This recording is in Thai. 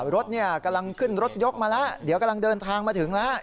รถกำลังขึ้นรถยกมาแล้วเดี๋ยวกำลังเดินทางมาถึงแล้ว